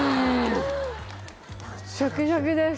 シャキシャキです。